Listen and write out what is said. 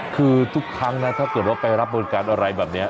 คือทุกครั้งนะถ้าเกิดว่าไปรับบริการอะไรแบบนี้